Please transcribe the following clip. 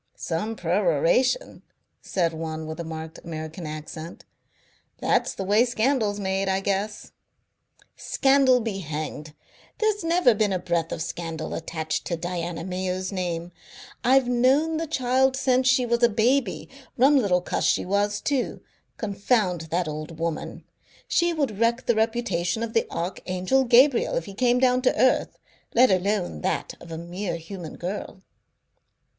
"Some peroration," said one with a marked American accent. "That's the way scandal's made, I guess." "Scandal be hanged! There's never been a breath of scandal attached to Diana Mayo's name. I've known the child since she was a baby. Rum little cuss she was, too. Confound that old woman! She would wreck the reputation of the Archangel Gabriel if he came down to earth, let alone that of a mere human girl."